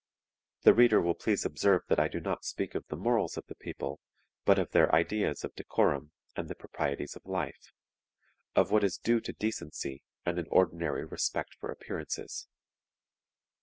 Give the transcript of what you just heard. The reader will please observe that I do not speak of the morals of the people, but of their ideas of decorum and of the proprieties of life; of what is due to decency and an ordinary respect for appearances.